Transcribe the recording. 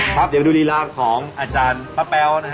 ครับเดี๋ยวดูลีลาของอาจารย์ป้าแป๊วนะฮะ